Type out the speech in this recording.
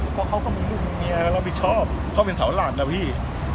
เพราะเขาก็มีลูกแม่เราผิดชอบเขาเป็นสาวราชอ่ะพี่